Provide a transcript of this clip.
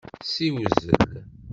Ssiwzel.